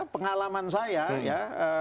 pengalaman saya ya